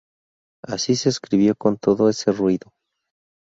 Así se escribió, con todo ese ruido.